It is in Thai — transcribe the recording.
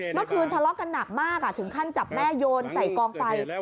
เมื่อคืนทะเลาะกันหนักมากถึงขั้นจับแม่โยนใส่กองไฟ